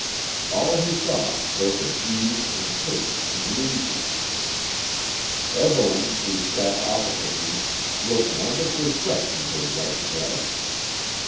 All he saw spoke of ease and taste and leisure. Evelyn, who sat opposite him, looked wonderfully fresh in her white dress.